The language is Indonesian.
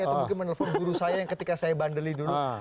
atau menelpon guru saya ketika saya bandeli dulu